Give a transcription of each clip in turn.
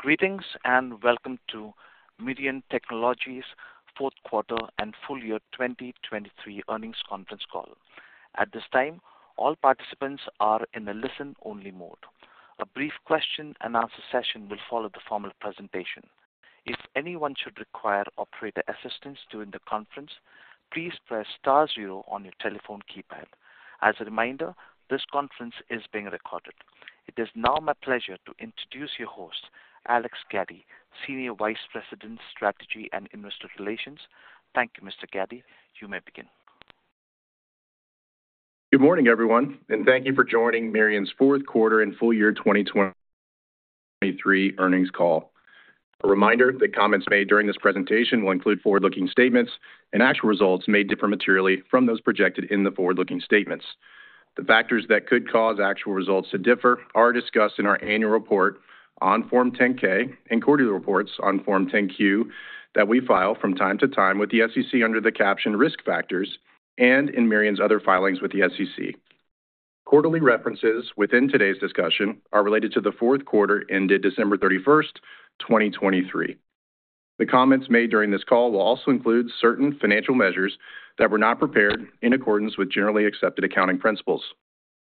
Greetings and welcome to Mirion Technologies' fourth quarter and full year 2023 earnings conference call. At this time, all participants are in the listen-only mode. A brief question-and-answer session will follow the formal presentation. If anyone should require operator assistance during the conference, please press star zero on your telephone keypad. As a reminder, this conference is being recorded. It is now my pleasure to introduce your host, Alex Gaddy, Senior Vice President, Strategy and Investor Relations. Thank you, Mr. Gaddy. You may begin. Good morning, everyone, and thank you for joining Mirion's fourth quarter and full year 2023 earnings call. A reminder: the comments made during this presentation will include forward-looking statements and actual results may differ materially from those projected in the forward-looking statements. The factors that could cause actual results to differ are discussed in our annual report on Form 10-K and quarterly reports on Form 10-Q that we file from time to time with the SEC under the caption "Risk Factors" and in Mirion's other filings with the SEC. Quarterly references within today's discussion are related to the fourth quarter ended December 31st, 2023. The comments made during this call will also include certain financial measures that were not prepared in accordance with generally accepted accounting principles.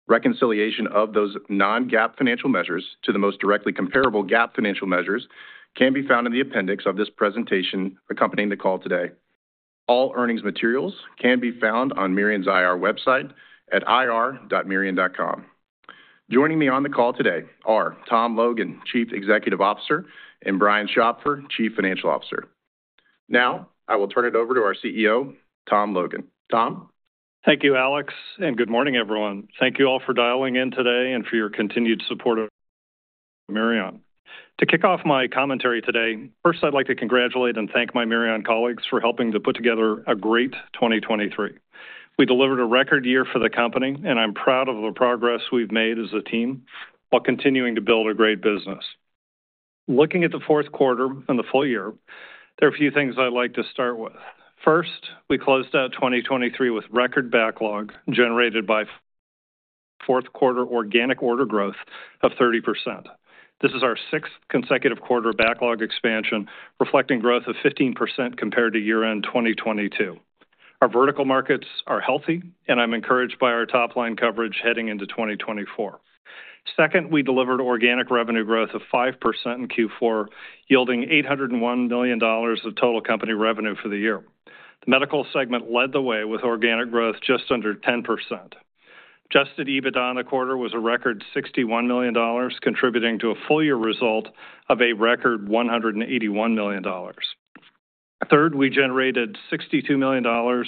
Reconciliation of those non-GAAP financial measures to the most directly comparable GAAP financial measures can be found in the appendix of this presentation accompanying the call today. All earnings materials can be found on Mirion's IR website at irmirion.com. Joining me on the call today are Tom Logan, Chief Executive Officer, and Brian Schopfer, Chief Financial Officer. Now I will turn it over to our CEO, Tom Logan. Tom? Thank you, Alex, and good morning, everyone. Thank you all for dialing in today and for your continued support of Mirion. To kick off my commentary today, first I'd like to congratulate and thank my Mirion colleagues for helping to put together a great 2023. We delivered a record year for the company, and I'm proud of the progress we've made as a team while continuing to build a great business. Looking at the fourth quarter and the full year, there are a few things I'd like to start with. First, we closed out 2023 with record backlog generated by fourth quarter organic order growth of 30%. This is our sixth consecutive quarter backlog expansion, reflecting growth of 15% compared to year-end 2022. Our vertical markets are healthy, and I'm encouraged by our top-line coverage heading into 2024. Second, we delivered organic revenue growth of 5% in Q4, yielding $801 million of total company revenue for the year. The medical segment led the way with organic growth just under 10%. Adjusted EBITDA in the quarter was a record $61 million, contributing to a full-year result of a record $181 million. Third, we generated $62 million of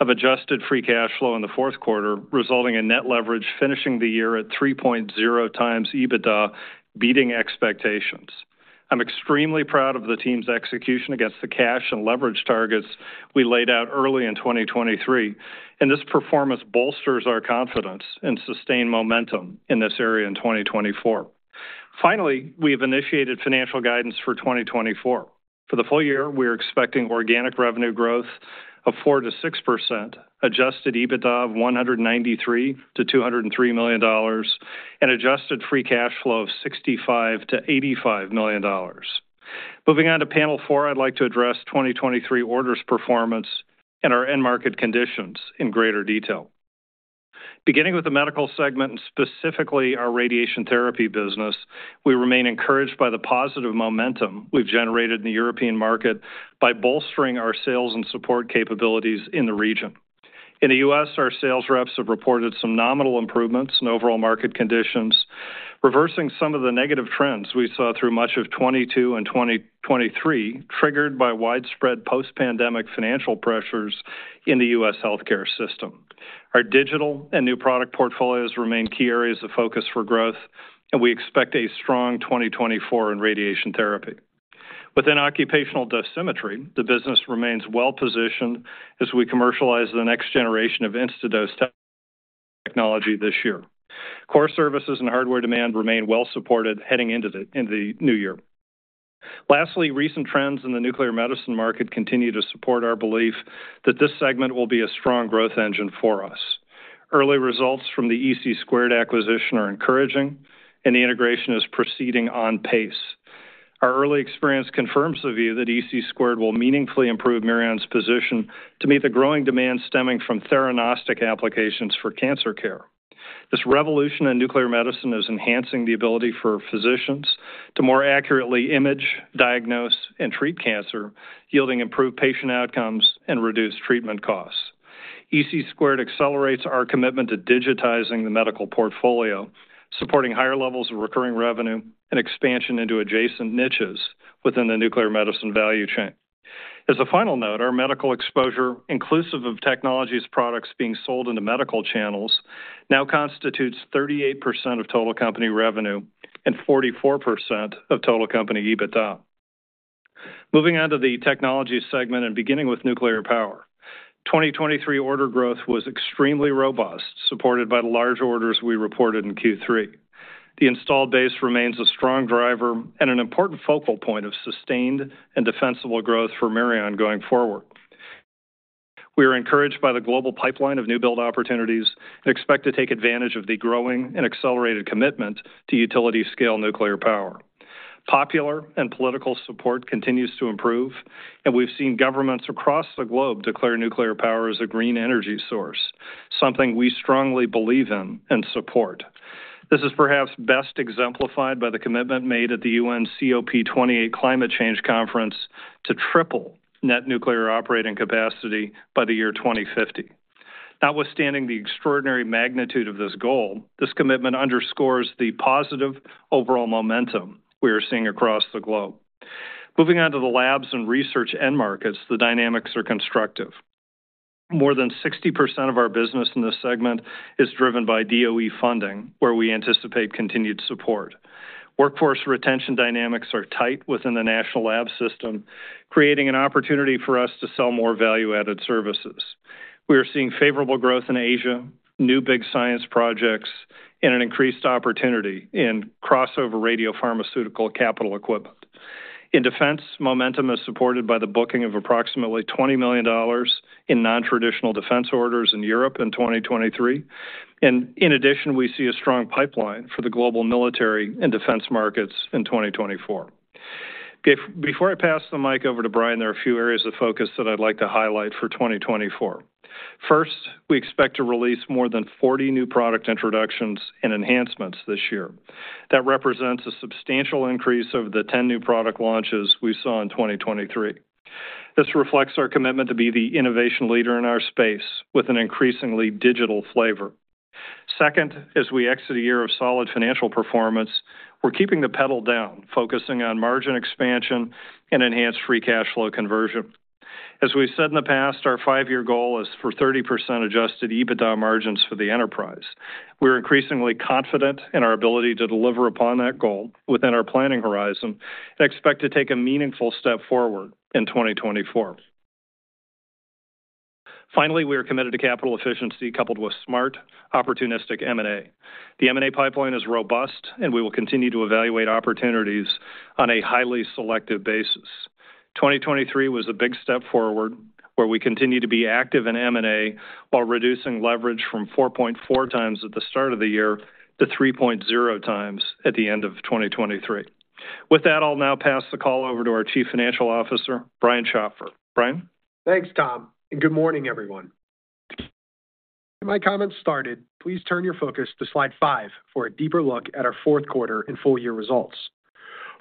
adjusted free cash flow in the fourth quarter, resulting in net leverage finishing the year at 3.0x EBITDA, beating expectations. I'm extremely proud of the team's execution against the cash and leverage targets we laid out early in 2023, and this performance bolsters our confidence in sustained momentum in this area in 2024. Finally, we have initiated financial guidance for 2024. For the full year, we are expecting organic revenue growth of 4%-6%, Adjusted EBITDA of $193 million-$203 million, and adjusted free cash flow of $65 million-$85 million. Moving on to Panel four, I'd like to address 2023 orders performance and our end-market conditions in greater detail. Beginning with the medical segment and specifically our radiation therapy business, we remain encouraged by the positive momentum we've generated in the European market by bolstering our sales and support capabilities in the region. In the U.S., our sales reps have reported some nominal improvements in overall market conditions, reversing some of the negative trends we saw through much of 2022 and 2023 triggered by widespread post-pandemic financial pressures in the U.S. healthcare system. Our digital and new product portfolios remain key areas of focus for growth, and we expect a strong 2024 in radiation therapy. Within occupational dosimetry, the business remains well-positioned as we commercialize the next generation of Instadose technology this year. Core services and hardware demand remain well-supported heading into the new year. Lastly, recent trends in the nuclear medicine market continue to support our belief that this segment will be a strong growth engine for us. Early results from the EC Squared acquisition are encouraging, and the integration is proceeding on pace. Our early experience confirms the view that EC Squared will meaningfully improve Mirion's position to meet the growing demand stemming from theranostic applications for cancer care. This revolution in nuclear medicine is enhancing the ability for physicians to more accurately image, diagnose, and treat cancer, yielding improved patient outcomes and reduced treatment costs. EC Squared accelerates our commitment to digitizing the medical portfolio, supporting higher levels of recurring revenue and expansion into adjacent niches within the nuclear medicine value chain. As a final note, our medical exposure, inclusive of technologies' products being sold into medical channels, now constitutes 38% of total company revenue and 44% of total company EBITDA. Moving on to the technology segment and beginning with nuclear power, 2023 order growth was extremely robust, supported by the large orders we reported in Q3. The installed base remains a strong driver and an important focal point of sustained and defensible growth for Mirion going forward. We are encouraged by the global pipeline of new build opportunities and expect to take advantage of the growing and accelerated commitment to utility-scale nuclear power. Popular and political support continues to improve, and we've seen governments across the globe declare nuclear power as a green energy source, something we strongly believe in and support. This is perhaps best exemplified by the commitment made at the UN COP28 climate change conference to triple net nuclear operating capacity by the year 2050. Notwithstanding the extraordinary magnitude of this goal, this commitment underscores the positive overall momentum we are seeing across the globe. Moving on to the labs and research end markets, the dynamics are constructive. More than 60% of our business in this segment is driven by DOE funding, where we anticipate continued support. Workforce retention dynamics are tight within the national lab system, creating an opportunity for us to sell more value-added services. We are seeing favorable growth in Asia, new big science projects, and an increased opportunity in crossover radiopharmaceutical capital equipment. In defense, momentum is supported by the booking of approximately $20 million in non-traditional defense orders in Europe in 2023, and in addition, we see a strong pipeline for the global military and defense markets in 2024. Before I pass the mic over to Brian, there are a few areas of focus that I'd like to highlight for 2024. First, we expect to release more than 40 new product introductions and enhancements this year. That represents a substantial increase over the 10 new product launches we saw in 2023. This reflects our commitment to be the innovation leader in our space with an increasingly digital flavor. Second, as we exit a year of solid financial performance, we're keeping the pedal down, focusing on margin expansion and enhanced free cash flow conversion. As we've said in the past, our five-year goal is for 30% Adjusted EBITDA margins for the enterprise. We are increasingly confident in our ability to deliver upon that goal within our planning horizon and expect to take a meaningful step forward in 2024. Finally, we are committed to capital efficiency coupled with smart, opportunistic M&A. The M&A pipeline is robust, and we will continue to evaluate opportunities on a highly selective basis. 2023 was a big step forward, where we continue to be active in M&A while reducing leverage from 4.4x at the start of the year to 3.0x at the end of 2023. With that, I'll now pass the call over to our Chief Financial Officer, Brian Schopfer. Brian? Thanks, Tom, and good morning, everyone. My comments started. Please turn your focus to slide five for a deeper look at our fourth quarter and full-year results.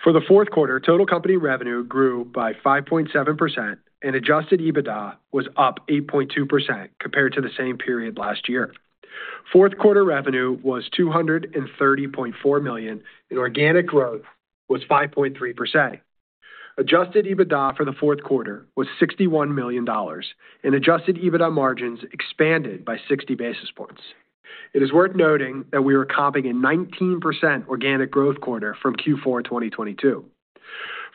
For the fourth quarter, total company revenue grew by 5.7%, and Adjusted EBITDA was up 8.2% compared to the same period last year. Fourth quarter revenue was $230.4 million, and organic growth was 5.3%. Adjusted EBITDA for the fourth quarter was $61 million, and Adjusted EBITDA margins expanded by 60 basis points. It is worth noting that we were comping a 19% organic growth quarter from Q4 2022.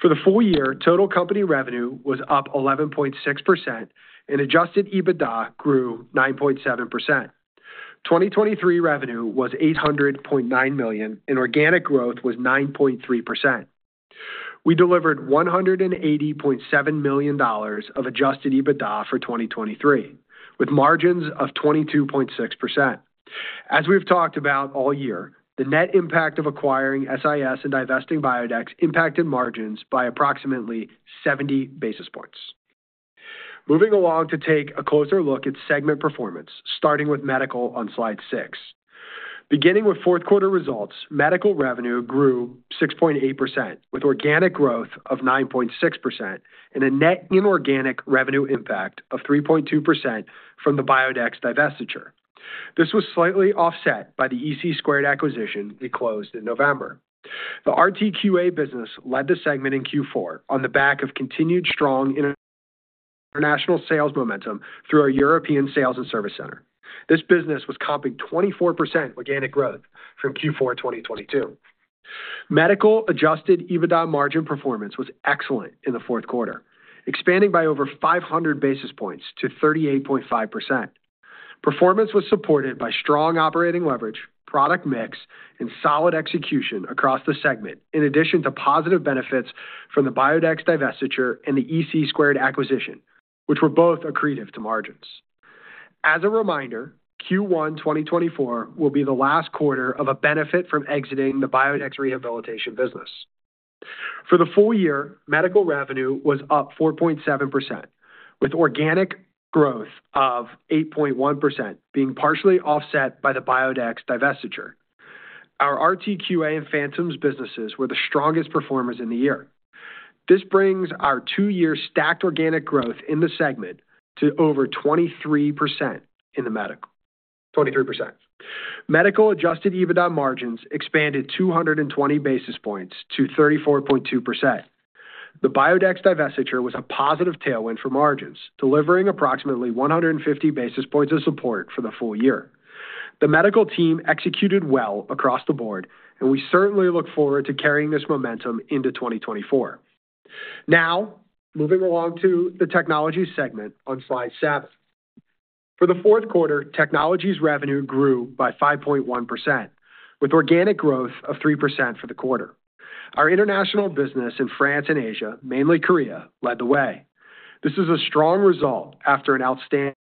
For the full year, total company revenue was up 11.6%, and Adjusted EBITDA grew 9.7%. 2023 revenue was $800.9 million, and organic growth was 9.3%. We delivered $180.7 million of Adjusted EBITDA for 2023, with margins of 22.6%. As we've talked about all year, the net impact of acquiring SIS and divesting Biodex impacted margins by approximately 70 basis points. Moving along to take a closer look at segment performance, starting with medical on slide six. Beginning with fourth quarter results, medical revenue grew 6.8%, with organic growth of 9.6% and a net inorganic revenue impact of 3.2% from the Biodex divestiture. This was slightly offset by the EC Squared acquisition we closed in November. The RTQA business led the segment in Q4 on the back of continued strong international sales momentum through our European Sales and Service Center. This business was comping 24% organic growth from Q4 2022. Medical Adjusted EBITDA margin performance was excellent in the fourth quarter, expanding by over 500 basis points to 38.5%. Performance was supported by strong operating leverage, product mix, and solid execution across the segment, in addition to positive benefits from the Biodex divestiture and the EC Squared acquisition, which were both accretive to margins. As a reminder, Q1 2024 will be the last quarter of a benefit from exiting the Biodex rehabilitation business. For the full year, medical revenue was up 4.7%, with organic growth of 8.1% being partially offset by the Biodex divestiture. Our RTQA and Phantoms businesses were the strongest performers in the year. This brings our two-year stacked organic growth in the segment to over 23% in the medical. 23%. Medical Adjusted EBITDA margins expanded 220 basis points to 34.2%. The Biodex divestiture was a positive tailwind for margins, delivering approximately 150 basis points of support for the full year. The medical team executed well across the board, and we certainly look forward t carrying this momentum into 2024. Now, moving along to the technologies segment on slide 7. For the fourth quarter, technologies revenue grew by 5.1%, with organic growth of 3% for the quarter. Our international business in France and Asia, mainly Korea, led the way. This is a strong result after an outstanding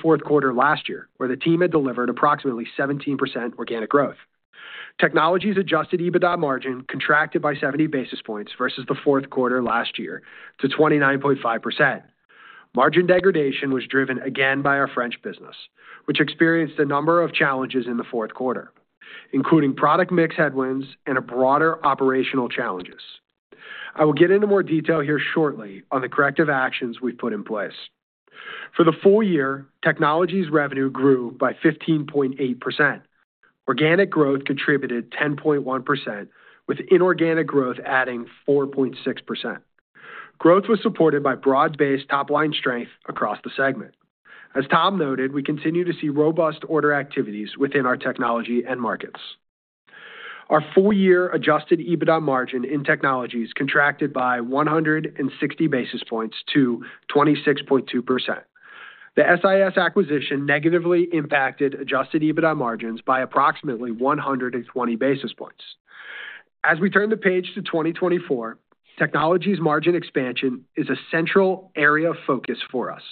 fourth quarter last year, where the team had delivered approximately 17% organic growth. Technologies Adjusted EBITDA margin contracted by 70 basis points versus the fourth quarter last year to 29.5%. Margin degradation was driven again by our French business, which experienced a number of challenges in the fourth quarter, including product mix headwinds and broader operational challenges. I will get into more detail here shortly on the corrective actions we've put in place. For the full year, technologies revenue grew by 15.8%. Organic growth contributed 10.1%, with inorganic growth adding 4.6%. Growth was supported by broad-based top-line strength across the segment. As Tom noted, we continue to see robust order activities within our technology end markets. Our full-year adjusted EBITDA margin in technologies contracted by 160 basis points to 26.2%. The SIS acquisition negatively impacted Adjusted EBITDA margins by approximately 120 basis points. As we turn the page to 2024, technologies margin expansion is a central area of focus for us,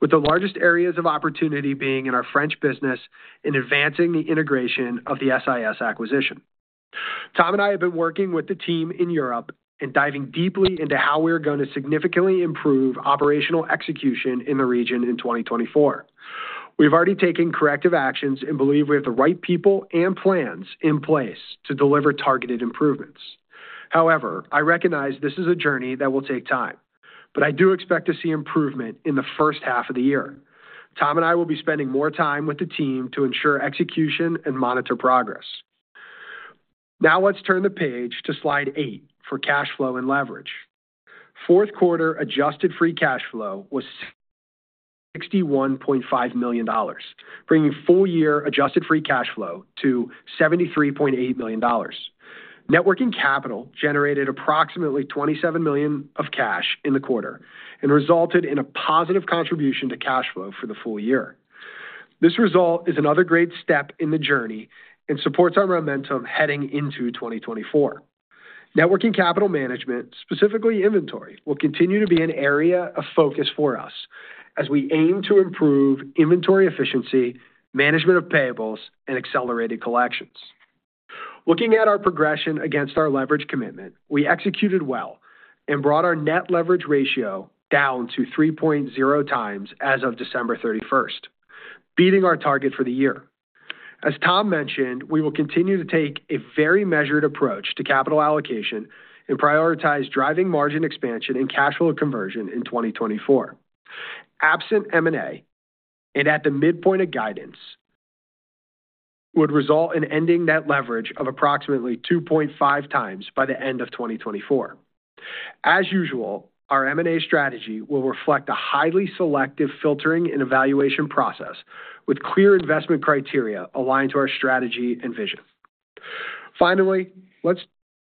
with the largest areas of opportunity being in our French business in advancing the integration of the SIS acquisition. Tom and I have been working with the team in Europe and diving deeply into how we are going to significantly improve operational execution in the region in 2024. We've already taken corrective actions and believe we have the right people and plans in place to deliver targeted improvements. However, I recognize this is a journey that will take time, but I do expect to see improvement in the first half of the year. Tom and I will be spending more time with the team to ensure execution and monitor progress. Now, let's turn the page to slide eight for cash flow and leverage. Fourth quarter adjusted free cash flow was $61.5 million, bringing full-year adjusted free cash flow to $73.8 million. Working capital generated approximately $27 million of cash in the quarter and resulted in a positive contribution to cash flow for the full year. This result is another great step in the journey and supports our momentum heading into 2024. Working capital management, specifically inventory, will continue to be an area of focus for us as we aim to improve inventory efficiency, management of payables, and accelerated collections. Looking at our progression against our leverage commitment, we executed well and brought our Net Leverage Ratio down to 3.0x as of December 31st, beating our target for the year. As Tom mentioned, we will continue to take a very measured approach to capital allocation and prioritize driving margin expansion and cash flow conversion in 2024. Absent M&A and at the midpoint of guidance would result in ending net leverage of approximately 2.5x by the end of 2024. As usual, our M&A strategy will reflect a highly selective filtering and evaluation process with clear investment criteria aligned to our strategy and vision. Finally, let's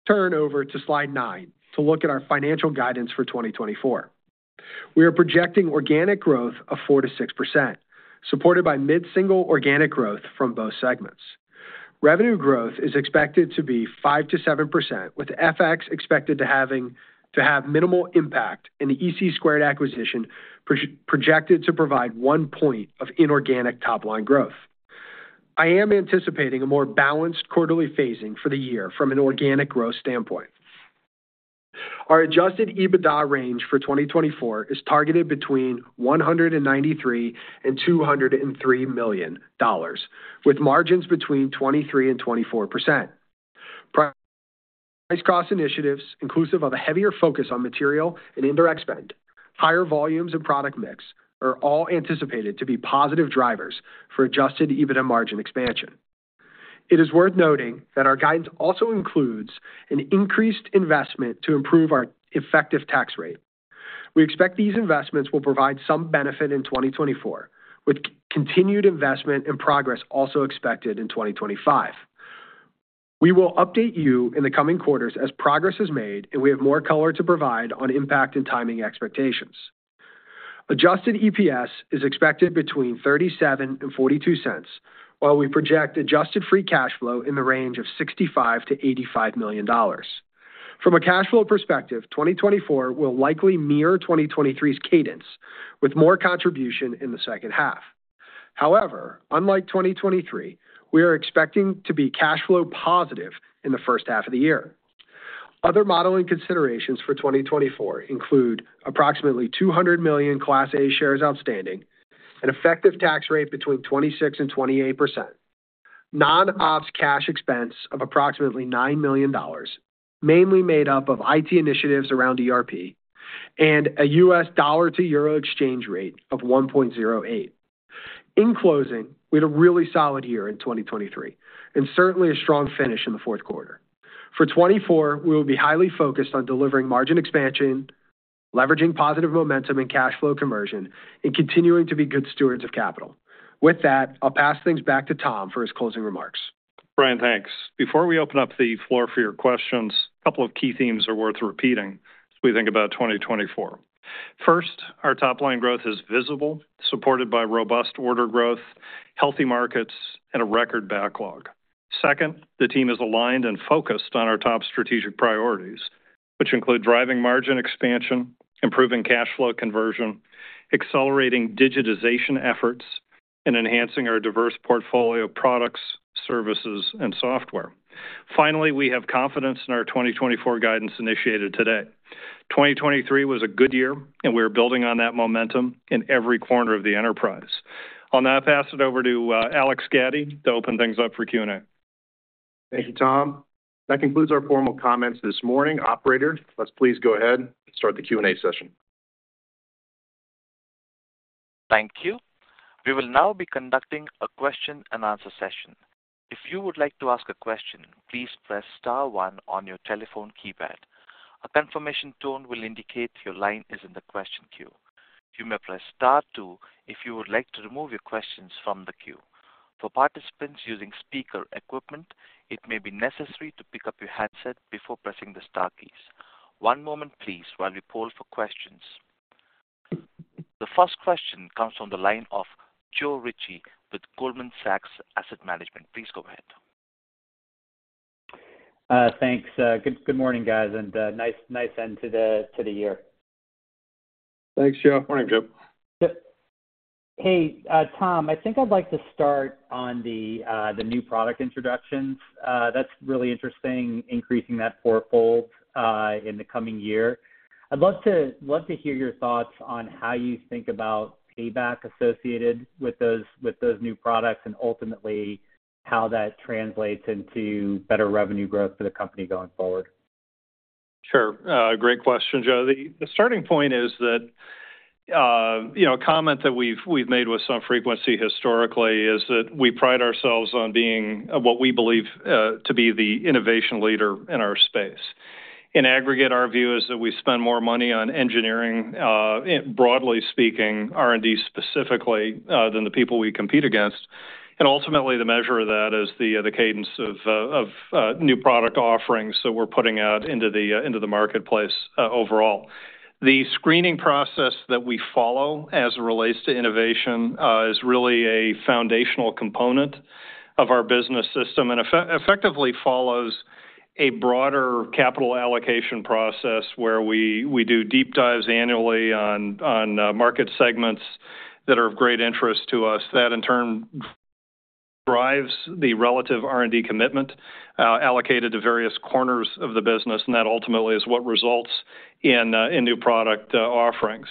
turn over to slide nine to look at our financial guidance for 2024. We are projecting organic growth of 4%-6%, supported by mid-single organic growth from both segments. Revenue growth is expected to be 5%-7%, with FX expected to have minimal impact, and the EC Squared acquisition projected to provide one point of inorganic top-line growth. I am anticipating a more balanced quarterly phasing for the year from an organic growth standpoint. Our Adjusted EBITDA range for 2024 is targeted between $193 million-$203 million, with margins between 23%-24%. Price-cost initiatives, inclusive of a heavier focus on material and indirect spend, higher volumes, and product mix, are all anticipated to be positive drivers for Adjusted EBITDA margin expansion. It is worth noting that our guidance also includes an increased investment to improve our effective tax rate. We expect these investments will provide some benefit in 2024, with continued investment and progress also expected in 2025. We will update you in the coming quarters as progress is made, and we have more color to provide on impact and timing expectations. Adjusted EPS is expected between $0.37 and $0.42, while we project adjusted free cash flow in the range of $65-$85 million. From a cash flow perspective, 2024 will likely mirror 2023's cadence, with more contribution in the second half. However, unlike 2023, we are expecting to be cash flow positive in the first half of the year. Other modeling considerations for 2024 include approximately 200 million Class A shares outstanding, an effective tax rate between 26%-28%, non-ops cash expense of approximately $9 million, mainly made up of IT initiatives around ERP, and a U.S. dollar-to-euro exchange rate of 1.08. In closing, we had a really solid year in 2023 and certainly a strong finish in the fourth quarter. For 2024, we will be highly focused on delivering margin expansion, leveraging positive momentum in cash flow conversion, and continuing to be good stewards of capital. With that, I'll pass things back to Tom for his closing remarks. Brian, thanks. Before we open up the floor for your questions, a couple of key themes are worth repeating as we think about 2024. First, our top-line growth is visible, supported by robust order growth, healthy markets, and a record backlog. Second, the team is aligned and focused on our top strategic priorities, which include driving margin expansion, improving cash flow conversion, accelerating digitization efforts, and enhancing our diverse portfolio of products, services, and software. Finally, we have confidence in our 2024 guidance initiated today. 2023 was a good year, and we are building on that momentum in every corner of the enterprise. I'll now pass it over to Alex Gaddy to open things up for Q&A. Thank you, Tom. That concludes our formal comments this morning. Operator, let's please go ahead and start the Q&A session. Thank you. We will now be conducting a question-and-answer session. If you would like to ask a question, please press star one on your telephone keypad. A confirmation tone will indicate your line is in the question queue. You may press star two if you would like to remove your questions from the queue. For participants using speaker equipment, it may be necessary to pick up your handset before pressing the star keys. One moment, please, while we poll for questions. The first question comes from the line of Joe Ritchie with Goldman Sachs Asset Management. Please go ahead. Thanks. Good morning, guys, and nice end to the year. Thanks, Joe. Morning, Joe. Hey, Tom, I think I'd like to start on the new product introductions. That's really interesting, increasing that portfolio in the coming year. I'd love to hear your thoughts on how you think about payback associated with those new products and ultimately how that translates into better revenue growth for the company going forward. Sure. Great question, Joe. The starting point is that a comment that we've made with some frequency historically is that we pride ourselves on being what we believe to be the innovation leader in our space. In aggregate, our view is that we spend more money on engineering, broadly speaking, R&D specifically, than the people we compete against. And ultimately, the measure of that is the cadence of new product offerings that we're putting out into the marketplace overall. The screening process that we follow as it relates to innovation is really a foundational component of our business system and effectively follows a broader capital allocation process where we do deep dives annually on market segments that are of great interest to us. That, in turn, drives the relative R&D commitment allocated to various corners of the business, and that ultimately is what results in new product offerings.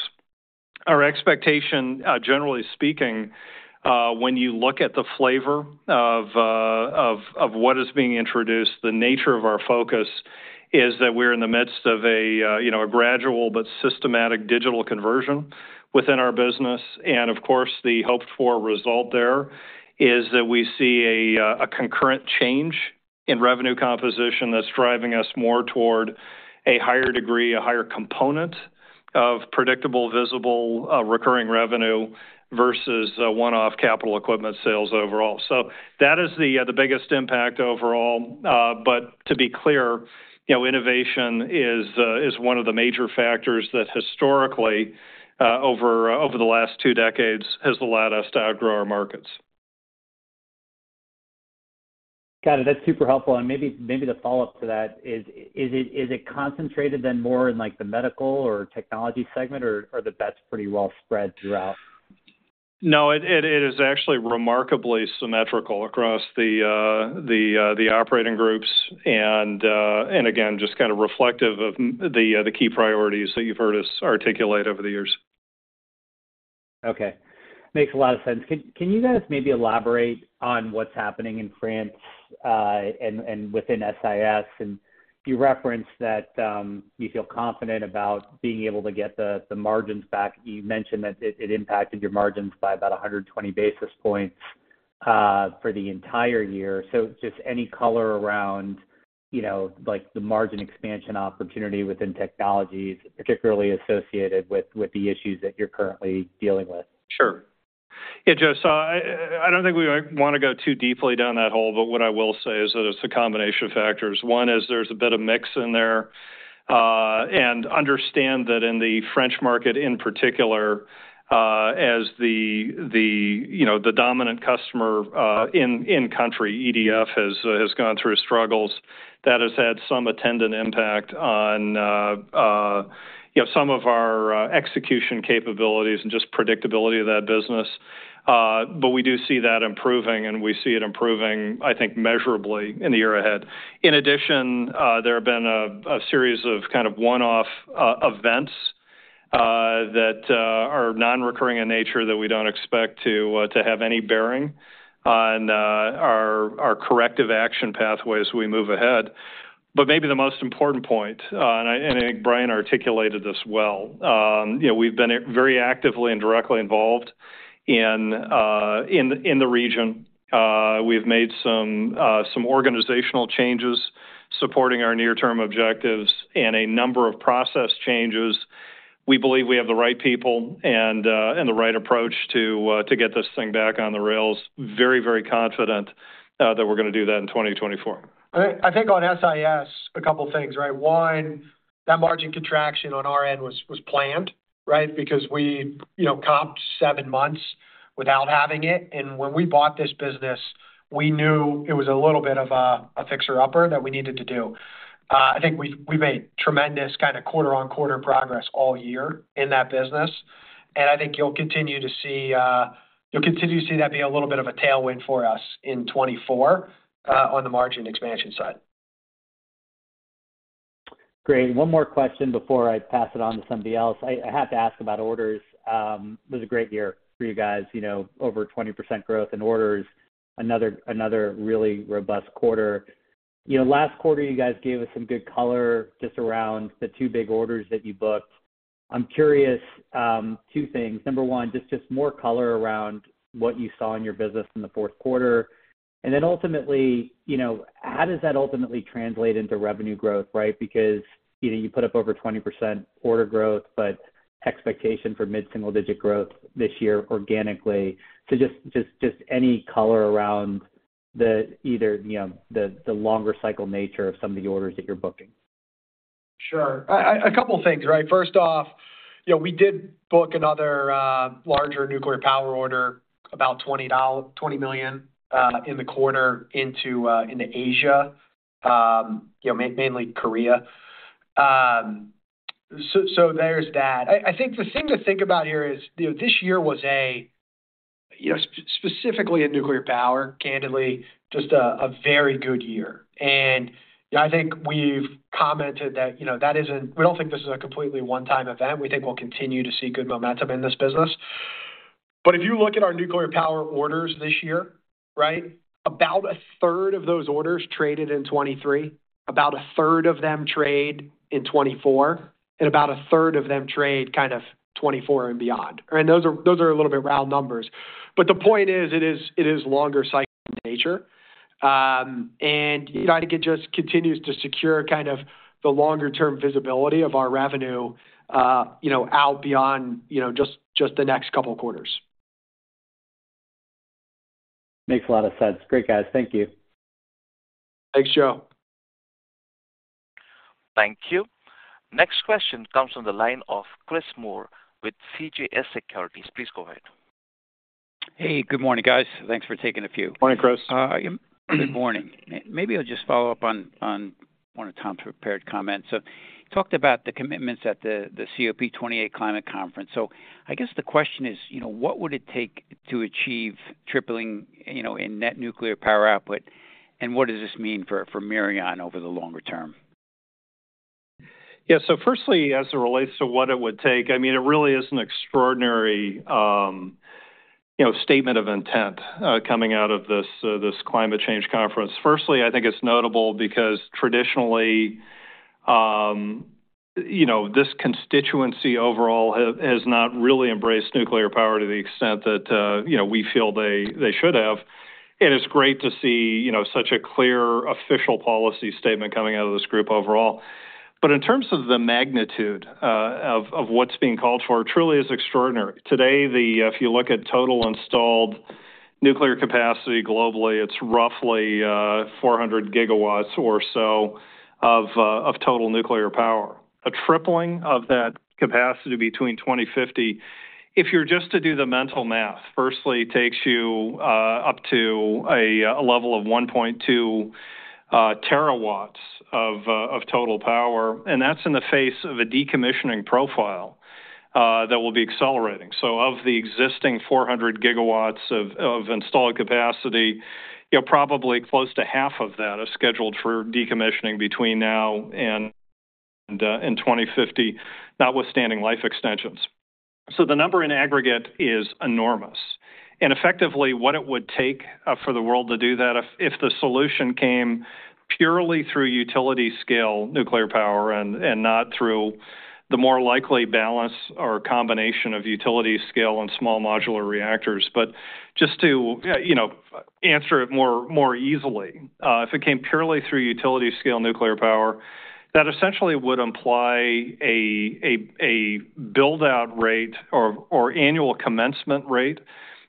Our expectation, generally speaking, when you look at the flavor of what is being introduced, the nature of our focus, is that we're in the midst of a gradual but systematic digital conversion within our business. Of course, the hoped-for result there is that we see a concurrent change in revenue composition that's driving us more toward a higher degree, a higher component of predictable, visible recurring revenue versus one-off capital equipment sales overall. That is the biggest impact overall. To be clear, innovation is one of the major factors that historically, over the last two decades, has allowed us to outgrow our markets. Got it. That's super helpful. And maybe the follow-up to that is, is it concentrated then more in the medical or technology segment, or that's pretty well spread throughout? No, it is actually remarkably symmetrical across the operating groups and, again, just kind of reflective of the key priorities that you've heard us articulate over the years. Okay. Makes a lot of sense. Can you guys maybe elaborate on what's happening in France and within SIS? And you referenced that you feel confident about being able to get the margins back. You mentioned that it impacted your margins by about 120 basis points for the entire year. So just any color around the margin expansion opportunity within technologies, particularly associated with the issues that you're currently dealing with? Sure. Yeah, Joe, so I don't think we want to go too deeply down that hole, but what I will say is that it's a combination of factors. One is there's a bit of mix in there. And understand that in the French market in particular, as the dominant customer in-country, EDF, has gone through struggles, that has had some attendant impact on some of our execution capabilities and just predictability of that business. But we do see that improving, and we see it improving, I think, measurably in the year ahead. In addition, there have been a series of kind of one-off events that are non-recurring in nature that we don't expect to have any bearing on our corrective action pathway as we move ahead. But maybe the most important point, and I think Brian articulated this well, we've been very actively and directly involved in the region. We've made some organizational changes supporting our near-term objectives and a number of process changes. We believe we have the right people and the right approach to get this thing back on the rails. Very, very confident that we're going to do that in 2024. I think on SIS, a couple of things, right? One, that margin contraction on our end was planned, right, because we coped seven months without having it. When we bought this business, we knew it was a little bit of a fixer-upper that we needed to do. I think we've made tremendous kind of quarter-on-quarter progress all year in that business. And I think you'll continue to see that be a little bit of a tailwind for us in 2024 on the margin expansion side. Great. One more question before I pass it on to somebody else. I have to ask about orders. It was a great year for you guys, over 20% growth in orders, another really robust quarter. Last quarter, you guys gave us some good color just around the two big orders that you booked. I'm curious two things. Number one, just more color around what you saw in your business in the fourth quarter. And then ultimately, how does that ultimately translate into revenue growth, right? Because you put up over 20% order growth, but expectation for mid-single digit growth this year organically. So just any color around either the longer-cycle nature of some of the orders that you're booking. Sure. A couple of things, right? First off, we did book another larger nuclear power order, about $20 million, in the quarter into Asia, mainly Korea. So there's that. I think the thing to think about here is this year was, specifically in nuclear power, candidly, just a very good year. And I think we've commented that we don't think this is a completely one-time event. We think we'll continue to see good momentum in this business. But if you look at our nuclear power orders this year, right, about a third of those orders traded in 2023, about a third of them traded in 2024, and about a third of them traded kind of 2024 and beyond. And those are a little bit round numbers. But the point is it is longer-cycle in nature. I think it just continues to secure kind of the longer-term visibility of our revenue out beyond just the next couple of quarters. Makes a lot of sense. Great, guys. Thank you. Thanks, Joe. Thank you. Next question comes from the line of Chris Moore with CJS Securities. Please go ahead. Hey, good morning, guys. Thanks for taking a few. Morning, Chris. Good morning. Maybe I'll just follow up on one of Tom's prepared comments. You talked about the commitments at the COP28 climate conference. I guess the question is, what would it take to achieve tripling in net nuclear power output, and what does this mean for Mirion over the longer term? Yeah. So firstly, as it relates to what it would take, I mean, it really is an extraordinary statement of intent coming out of this climate change conference. Firstly, I think it's notable because traditionally, this constituency overall has not really embraced nuclear power to the extent that we feel they should have. And it's great to see such a clear official policy statement coming out of this group overall. But in terms of the magnitude of what's being called for, it truly is extraordinary. Today, if you look at total installed nuclear capacity globally, it's roughly 400 GW or so of total nuclear power. A tripling of that capacity between 2050, if you're just to do the mental math, firstly, takes you up to a level of 1.2 TW of total power. And that's in the face of a decommissioning profile that will be accelerating. Of the existing 400 GW of installed capacity, probably close to half of that is scheduled for decommissioning between now and 2050, notwithstanding life extensions. The number in aggregate is enormous. Effectively, what it would take for the world to do that if the solution came purely through utility-scale nuclear power and not through the more likely balance or combination of utility-scale and small modular reactors. But just to answer it more easily, if it came purely through utility-scale nuclear power, that essentially would imply a build-out rate or annual commencement rate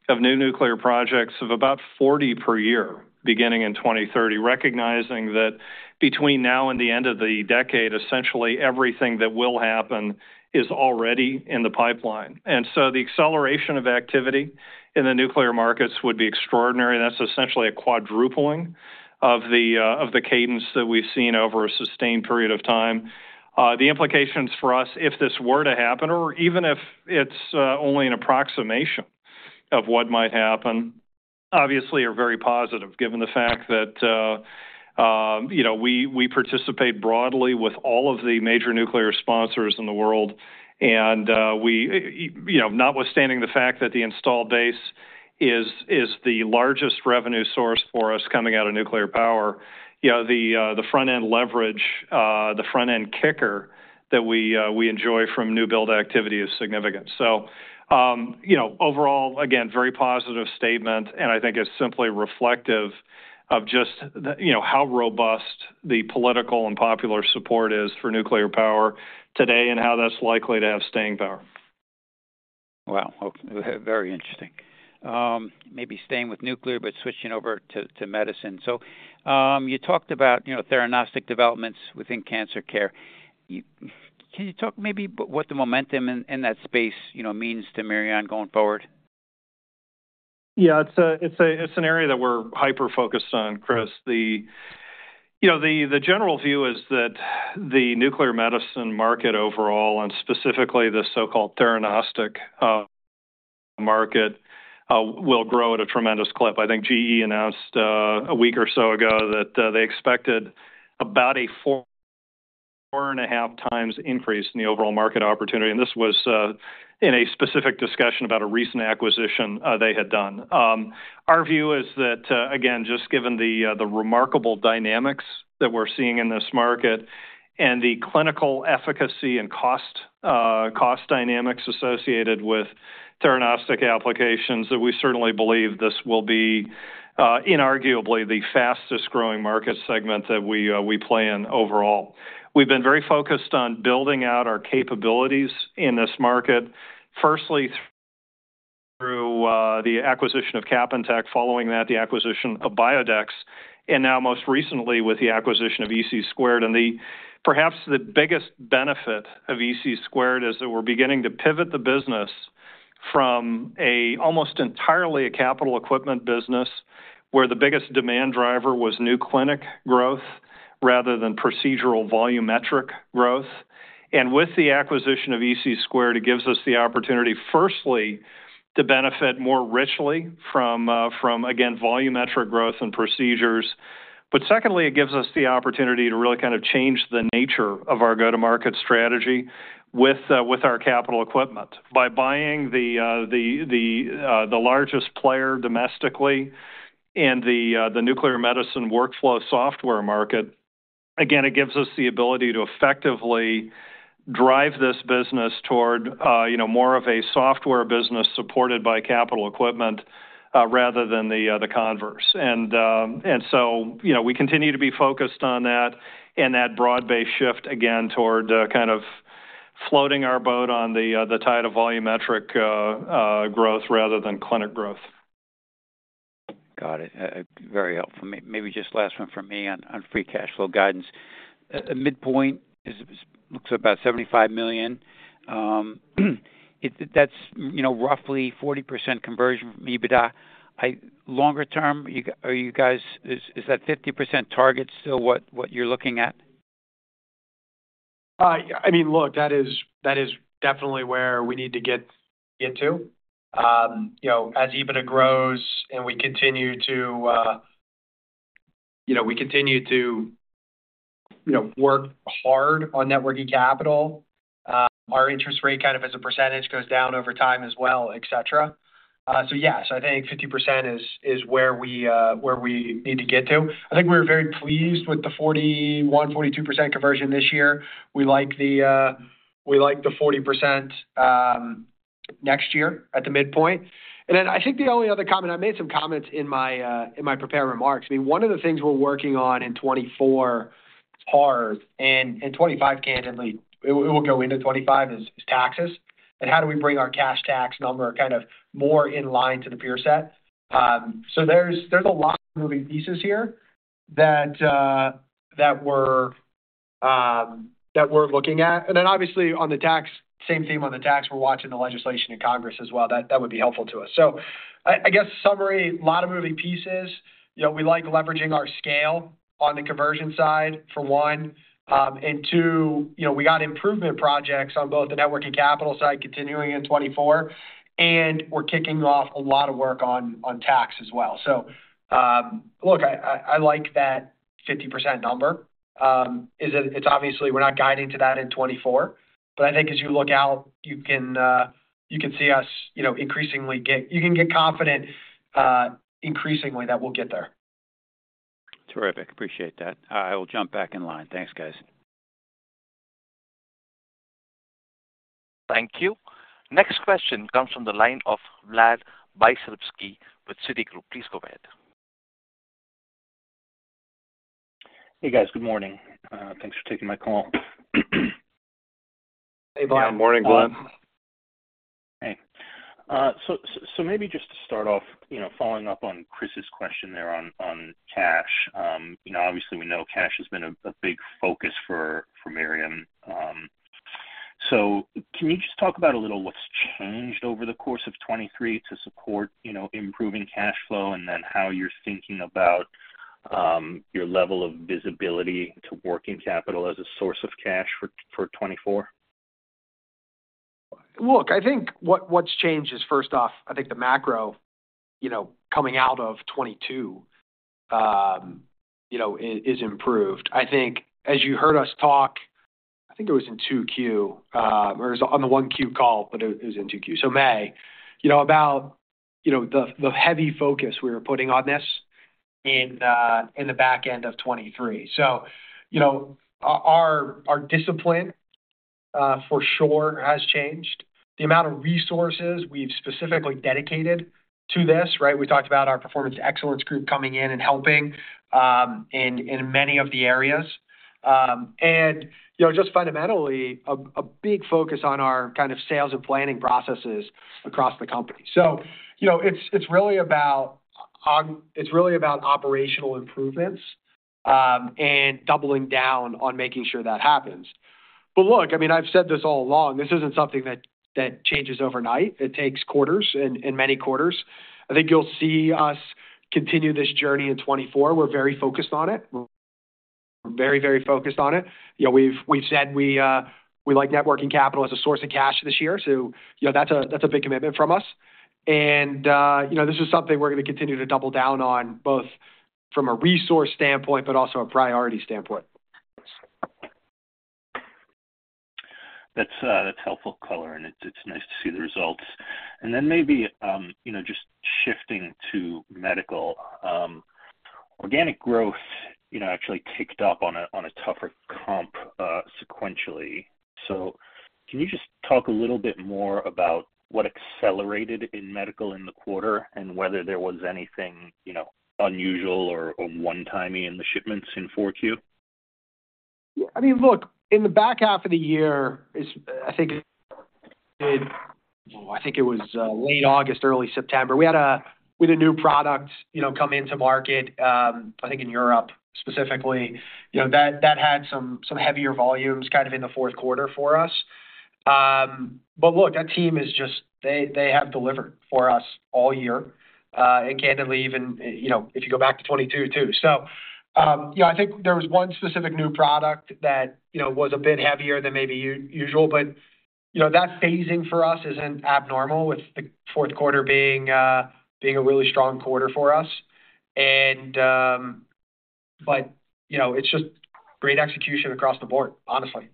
of new nuclear projects of about 40 per year beginning in 2030, recognizing that between now and the end of the decade, essentially, everything that will happen is already in the pipeline. The acceleration of activity in the nuclear markets would be extraordinary. That's essentially a quadrupling of the cadence that we've seen over a sustained period of time. The implications for us, if this were to happen, or even if it's only an approximation of what might happen, obviously are very positive given the fact that we participate broadly with all of the major nuclear sponsors in the world. And notwithstanding the fact that the installed base is the largest revenue source for us coming out of nuclear power, the front-end leverage, the front-end kicker that we enjoy from new build activity is significant. So overall, again, very positive statement, and I think it's simply reflective of just how robust the political and popular support is for nuclear power today and how that's likely to have staying power. Wow. Very interesting. Maybe staying with nuclear but switching over to medicine. So you talked about theranostics developments within cancer care. Can you talk maybe what the momentum in that space means to Mirion going forward? Yeah. It's an area that we're hyper-focused on, Chris. The general view is that the nuclear medicine market overall, and specifically the so-called theranostic market, will grow at a tremendous clip. I think GE announced a week or so ago that they expected about a 4.5x increase in the overall market opportunity. And this was in a specific discussion about a recent acquisition they had done. Our view is that, again, just given the remarkable dynamics that we're seeing in this market and the clinical efficacy and cost dynamics associated with theranostic applications, that we certainly believe this will be inarguably the fastest-growing market segment that we play in overall. We've been very focused on building out our capabilities in this market, firstly through the acquisition of Capintec, following that, the acquisition of Biodex, and now most recently with the acquisition of EC Squared. Perhaps the biggest benefit of EC Squared is that we're beginning to pivot the business from almost entirely a capital equipment business where the biggest demand driver was new clinic growth rather than procedural volumetric growth. With the acquisition of EC Squared, it gives us the opportunity, firstly, to benefit more richly from, again, volumetric growth and procedures. But secondly, it gives us the opportunity to really kind of change the nature of our go-to-market strategy with our capital equipment. By buying the largest player domestically in the nuclear medicine workflow software market, again, it gives us the ability to effectively drive this business toward more of a software business supported by capital equipment rather than the converse. So we continue to be focused on that and that broad-based shift, again, toward kind of floating our boat on the tide of volumetric growth rather than clinic growth. Got it. Very helpful. Maybe just last one from me on free cash flow guidance. A midpoint looks at about $75 million. That's roughly 40% conversion from EBITDA. Longer term, are you guys is that 50% target still what you're looking at? I mean, look, that is definitely where we need to get to. As EBITDA grows and we continue to work hard on working capital, our interest rate kind of as a percentage goes down over time as well, etc. So yeah, so I think 50% is where we need to get to. I think we're very pleased with the 41%-42% conversion this year. We like the 40% next year at the midpoint. And then I think the only other comment I made some comments in my prepared remarks. I mean, one of the things we're working on in 2024 is PARS. And in 2025, candidly, it will go into 2025 is taxes. And how do we bring our cash tax number kind of more in line to the peer set? So there's a lot of moving pieces here that we're looking at. Then obviously, on the tax same theme on the tax, we're watching the legislation in Congress as well. That would be helpful to us. So I guess summary, a lot of moving pieces. We like leveraging our scale on the conversion side, for one. And two, we got improvement projects on both the net working capital side continuing in 2024, and we're kicking off a lot of work on tax as well. So look, I like that 50% number. It's obviously we're not guiding to that in 2024. But I think as you look out, you can see us increasingly get you can get confident increasingly that we'll get there. Terrific. Appreciate that. I will jump back in line. Thanks, guys. Thank you. Next question comes from the line of Vlad Bystricky with Citigroup. Please go ahead. Hey, guys. Good morning. Thanks for taking my call. Hey, Vlad. Yeah. Good morning, Vlad. Hey. So maybe just to start off following up on Chris's question there on cash. Obviously, we know cash has been a big focus for Mirion. So can you just talk about a little what's changed over the course of 2023 to support improving cash flow and then how you're thinking about your level of visibility to working capital as a source of cash for 2024? Look, I think what's changed is, first off, I think the macro coming out of 2022 is improved. I think as you heard us talk I think it was in 2Q or it was on the 1Q call, but it was in 2Q. So May, about the heavy focus we were putting on this in the back end of 2023. So our discipline for sure has changed. The amount of resources we've specifically dedicated to this, right? We talked about our performance excellence group coming in and helping in many of the areas. And just fundamentally, a big focus on our kind of sales and planning processes across the company. So it's really about it's really about operational improvements and doubling down on making sure that happens. But look, I mean, I've said this all along. This isn't something that changes overnight. It takes quarters and many quarters. I think you'll see us continue this journey in 2024. We're very focused on it. We're very, very focused on it. We've said we like working capital as a source of cash this year. So that's a big commitment from us. And this is something we're going to continue to double down on both from a resource standpoint but also a priority standpoint. That's helpful, Color, and it's nice to see the results. Then maybe just shifting to medical. Organic growth actually kicked up on a tougher comp sequentially. So can you just talk a little bit more about what accelerated in medical in the quarter and whether there was anything unusual or one-timey in the shipments in 4Q? Yeah. I mean, look, in the back half of the year, I think it was late August, early September. We had a new product come into market, I think, in Europe specifically. That had some heavier volumes kind of in the fourth quarter for us. But look, that team is just. They have delivered for us all year, and candidly, even if you go back to 2022 too. So I think there was one specific new product that was a bit heavier than maybe usual. But that phasing for us isn't abnormal with the fourth quarter being a really strong quarter for us. But it's just great execution across the board, honestly.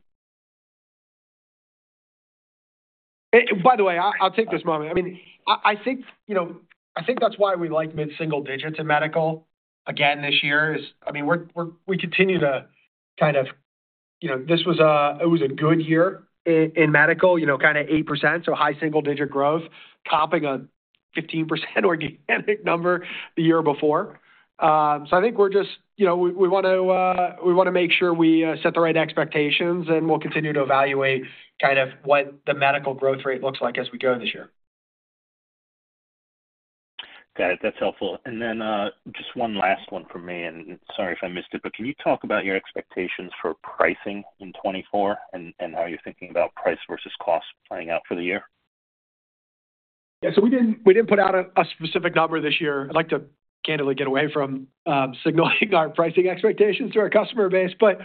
By the way, I'll take this moment. I mean, I think that's why we like mid-single digits in medical again this year. I mean, we continue to kind of this was a good year in medical, kind of 8%, so high single-digit growth, topping a 15% organic number the year before. So I think we're just we want to make sure we set the right expectations, and we'll continue to evaluate kind of what the medical growth rate looks like as we go this year. Got it. That's helpful. And then just one last one from me, and sorry if I missed it, but can you talk about your expectations for pricing in 2024 and how you're thinking about price versus cost playing out for the year? Yeah. So we didn't put out a specific number this year. I'd like to candidly get away from signaling our pricing expectations to our customer base. But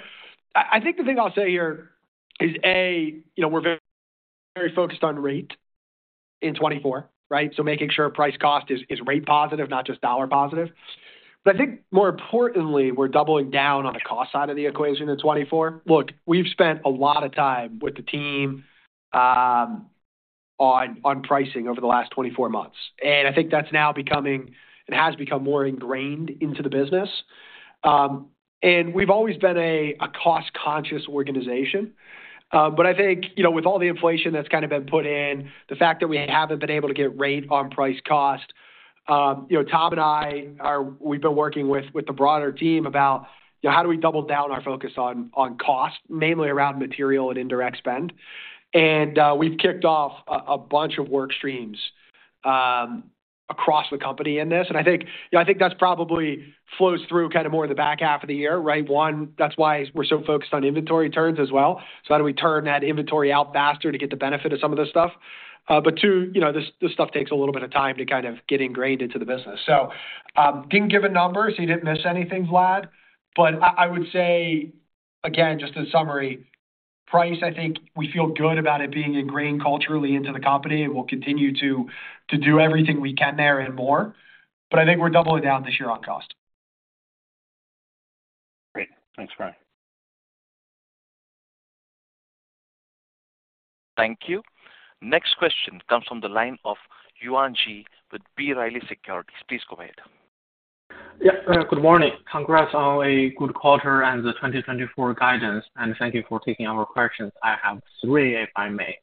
I think the thing I'll say here is, A, we're very focused on rate in 2024, right? So making sure price-cost is rate-positive, not just dollar-positive. But I think more importantly, we're doubling down on the cost side of the equation in 2024. Look, we've spent a lot of time with the team on pricing over the last 24 months. And I think that's now becoming and has become more ingrained into the business. And we've always been a cost-conscious organization. But I think with all the inflation that's kind of been put in, the fact that we haven't been able to get rate on price-cost, Tom and I, we've been working with the broader team about how do we double down our focus on cost, mainly around material and indirect spend. And we've kicked off a bunch of workstreams across the company in this. And I think that probably flows through kind of more in the back half of the year, right? One, that's why we're so focused on inventory turns as well. So how do we turn that inventory out faster to get the benefit of some of this stuff? But two, this stuff takes a little bit of time to kind of get ingrained into the business. So didn't give a number, so you didn't miss anything, Vlad. I would say, again, just in summary, price, I think we feel good about it being ingrained culturally into the company, and we'll continue to do everything we can there and more. I think we're doubling down this year on cost. Great. Thanks, Brian. Thank you. Next question comes from the line of Yuan Zhi with B. Riley Securities. Please go ahead. Yeah. Good morning. Congrats on a good quarter and the 2024 guidance, and thank you for taking our questions. I have three, if I may.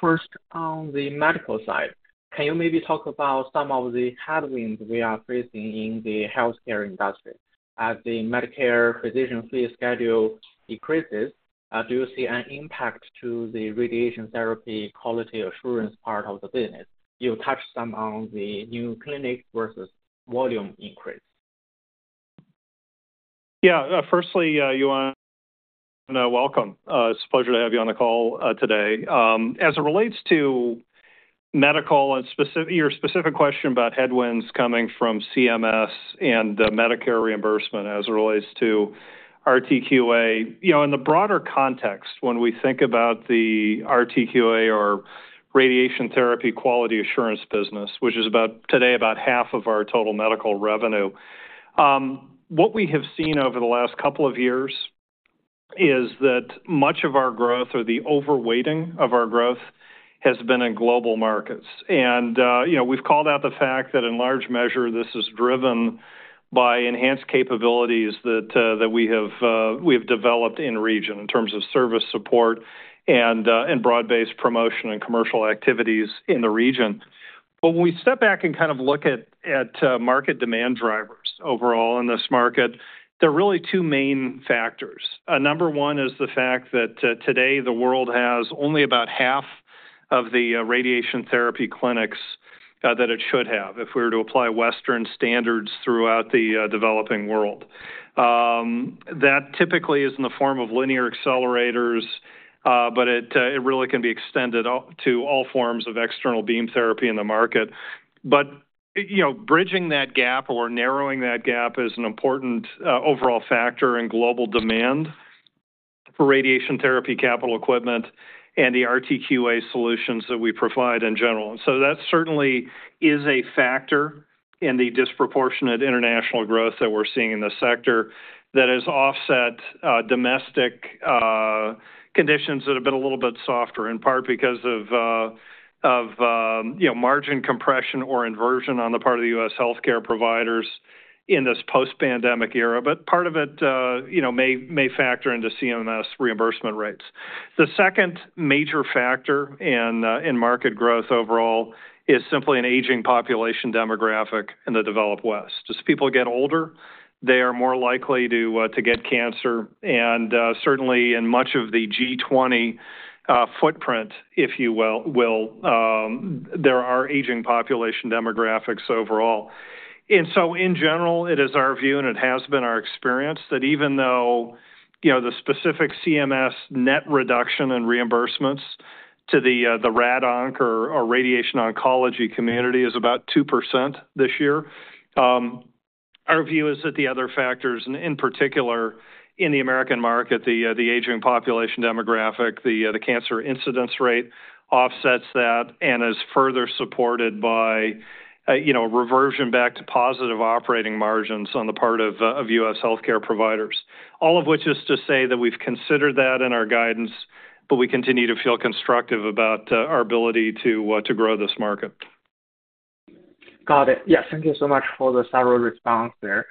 First, on the medical side, can you maybe talk about some of the headwinds we are facing in the healthcare industry? As the Medicare physician fee schedule decreases, do you see an impact to the Radiation Therapy Quality Assurance part of the business? You touched some on the new clinic versus volume increase. Yeah. Firstly, Yuan, welcome. It's a pleasure to have you on the call today. As it relates to Medi-Col and your specific question about headwinds coming from CMS and Medicare reimbursement as it relates to RTQA, in the broader context, when we think about the RTQA or Radiation Therapy Quality Assurance business, which is today about half of our total medical revenue, what we have seen over the last couple of years is that much of our growth or the overweighting of our growth has been in global markets. And we've called out the fact that in large measure, this is driven by enhanced capabilities that we have developed in region in terms of service support and broad-based promotion and commercial activities in the region. But when we step back and kind of look at market demand drivers overall in this market, there are really two main factors. Number one is the fact that today, the world has only about half of the radiation therapy clinics that it should have if we were to apply Western standards throughout the developing world. That typically is in the form of linear accelerators, but it really can be extended to all forms of external beam therapy in the market. But bridging that gap or narrowing that gap is an important overall factor in global demand for radiation therapy capital equipment and the RTQA solutions that we provide in general. And so that certainly is a factor in the disproportionate international growth that we're seeing in the sector that has offset domestic conditions that have been a little bit softer, in part because of margin compression or inversion on the part of the U.S. healthcare providers in this post-pandemic era. But part of it may factor into CMS reimbursement rates. The second major factor in market growth overall is simply an aging population demographic in the developed West. As people get older, they are more likely to get cancer. Certainly, in much of the G20 footprint, if you will, there are aging population demographics overall. And so in general, it is our view, and it has been our experience, that even though the specific CMS net reduction in reimbursements to the Rad Onc or radiation oncology community is about 2% this year, our view is that the other factors, and in particular in the American market, the aging population demographic, the cancer incidence rate offsets that and is further supported by reversion back to positive operating margins on the part of U.S. healthcare providers, all of which is to say that we've considered that in our guidance, but we continue to feel constructive about our ability to grow this market. Got it. Yes. Thank you so much for the thorough response there.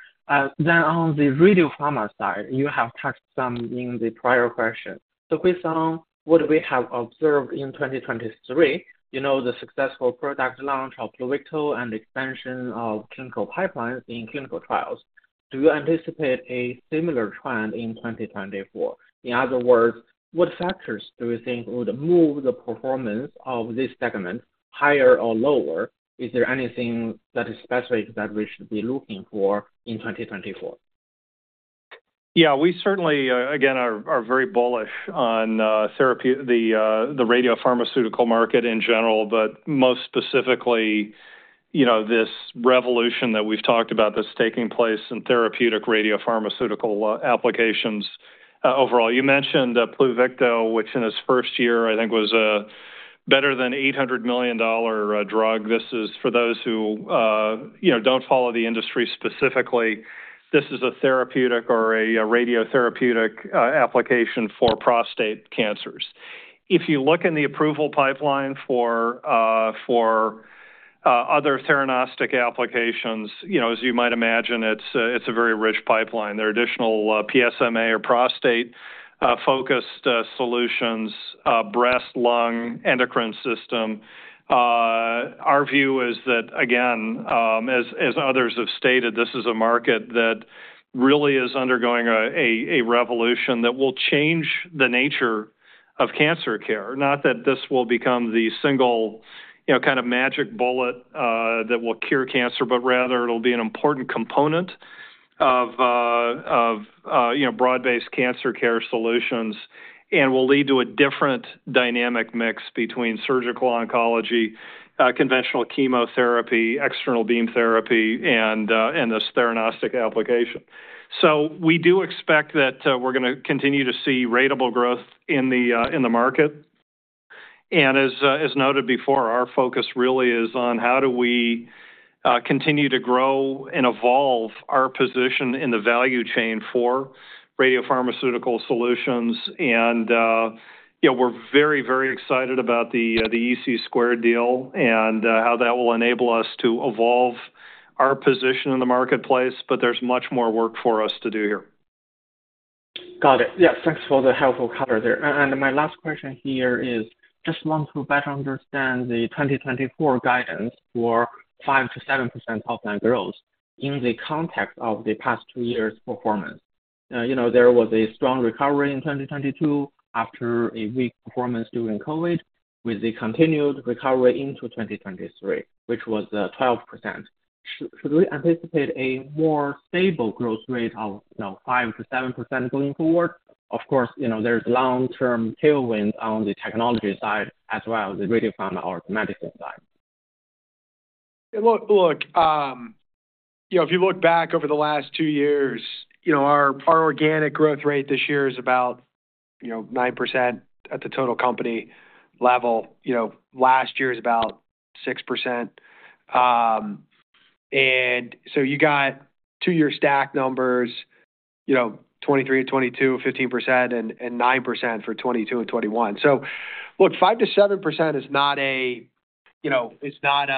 Then on the radiopharma side, you have touched some in the prior question. So based on what we have observed in 2023, the successful product launch of Pluvicto and the expansion of clinical pipelines in clinical trials, do you anticipate a similar trend in 2024? In other words, what factors do you think would move the performance of this segment higher or lower? Is there anything that is specific that we should be looking for in 2024? Yeah. We certainly, again, are very bullish on the radiopharmaceutical market in general, but most specifically, this revolution that we've talked about that's taking place in therapeutic radiopharmaceutical applications overall. You mentioned Pluvicto, which in its first year, I think, was a better than $800 million drug. This is, for those who don't follow the industry specifically, this is a therapeutic or a radiotherapeutic application for prostate cancers. If you look in the approval pipeline for other theranostic applications, as you might imagine, it's a very rich pipeline. There are additional PSMA or prostate-focused solutions, breast, lung, endocrine system. Our view is that, again, as others have stated, this is a market that really is undergoing a revolution that will change the nature of cancer care, not that this will become the single kind of magic bullet that will cure cancer, but rather, it'll be an important component of broad-based cancer care solutions and will lead to a different dynamic mix between surgical oncology, conventional chemotherapy, external beam therapy, and this theranostic application. So we do expect that we're going to continue to see ratable growth in the market. As noted before, our focus really is on how do we continue to grow and evolve our position in the value chain for radiopharmaceutical solutions. We're very, very excited about the EC squared deal and how that will enable us to evolve our position in the marketplace, but there's much more work for us to do here. Got it. Yes. Thanks for the helpful color there. My last question here is, just want to better understand the 2024 guidance for 5%-7% organic growth in the context of the past two years' performance. There was a strong recovery in 2022 after a weak performance during COVID with the continued recovery into 2023, which was 12%. Should we anticipate a more stable growth rate of 5%-7% going forward? Of course, there's long-term tailwinds on the technology side as well, the radiopharma or the medicine side. Yeah. Look, if you look back over the last two years, our organic growth rate this year is about 9% at the total company level. Last year is about 6%. And so you got two-year stack numbers, 2023 and 2022, 15% and 9% for 2022 and 2021. So look, 5%-7% is not a it's not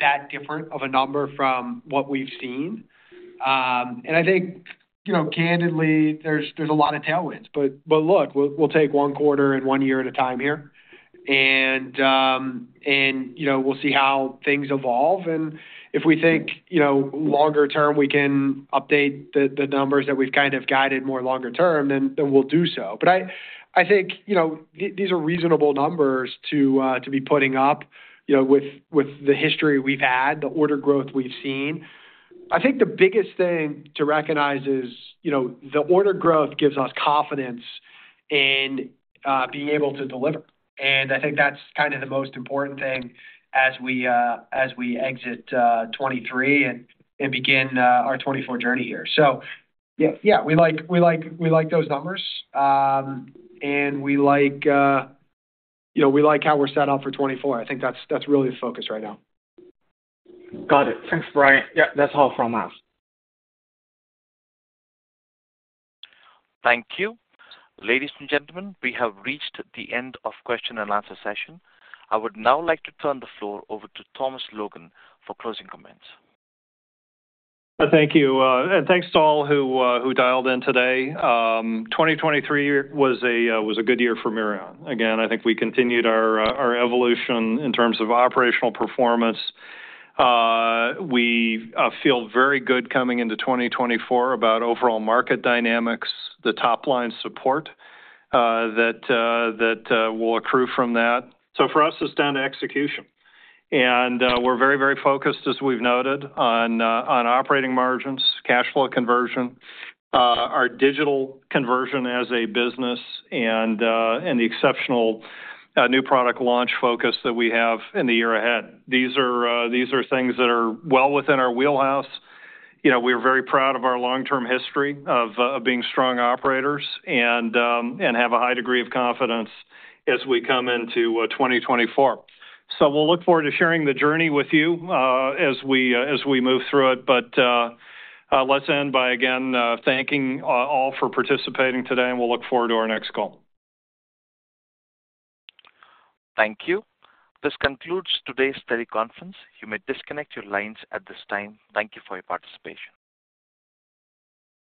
that different of a number from what we've seen. And I think, candidly, there's a lot of tailwinds. But look, we'll take one quarter and one year at a time here, and we'll see how things evolve. And if we think longer-term, we can update the numbers that we've kind of guided more longer-term, then we'll do so. But I think these are reasonable numbers to be putting up with the history we've had, the order growth we've seen. I think the biggest thing to recognize is the order growth gives us confidence in being able to deliver. And I think that's kind of the most important thing as we exit 2023 and begin our 2024 journey here. So yeah, we like those numbers, and we like how we're set up for 2024. I think that's really the focus right now. Got it. Thanks, Brian. Yeah. That's all from us. Thank you. Ladies and gentlemen, we have reached the end of question-and-answer session. I would now like to turn the floor over to Thomas Logan for closing comments. Thank you. And thanks to all who dialed in today. 2023 was a good year for Mirion. Again, I think we continued our evolution in terms of operational performance. We feel very good coming into 2024 about overall market dynamics, the top-line support that will accrue from that. So for us, it's down to execution. And we're very, very focused, as we've noted, on operating margins, cash flow conversion, our digital conversion as a business, and the exceptional new product launch focus that we have in the year ahead. These are things that are well within our wheelhouse. We are very proud of our long-term history of being strong operators and have a high degree of confidence as we come into 2024. So we'll look forward to sharing the journey with you as we move through it. Let's end by, again, thanking all for participating today, and we'll look forward to our next call. Thank you. This concludes today's teleconference. You may disconnect your lines at this time. Thank you for your participation.